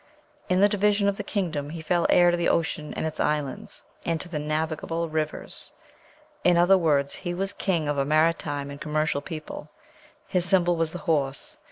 In the division of the kingdom he fell heir to the ocean and its islands, and to the navigable rivers; in other words, he was king of a maritime and commercial people. His symbol was the horse.